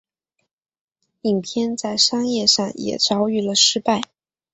影片在商业上也遭遇了失败。